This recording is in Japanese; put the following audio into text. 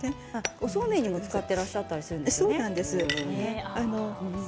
おそうめんにも使ってらっしゃったりするんですよね。